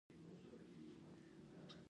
دا یوه معقوله پرېکړه ګڼل کیږي.